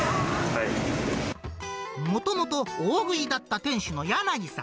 もともと大食いだった店主の柳さん。